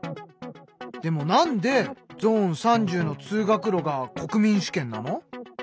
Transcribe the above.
でもなんでゾーン３０の通学路が国民主権なの？